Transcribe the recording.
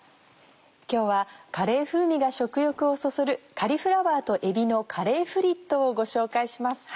今日はカレー風味が食欲をそそる「カリフラワーとえびのカレーフリット」をご紹介します。